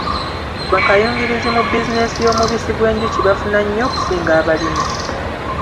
Bakayungirizi mu bizinensi y'omubisi gw'enjuki bafuna nnyo okusinga abalimi.